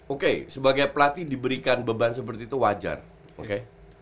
oke sebagai pelatih diberikan beban seperti itu wajar oke